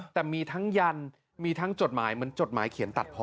แต่มีทั้งยันมีทั้งจดหมายเหมือนจดหมายเขียนตัดพอ